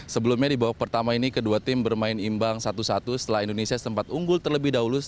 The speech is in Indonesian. sebelumnya di babak pertama ini kedua tim bermain imbang satu satu setelah indonesia sempat unggul terlebih dahulu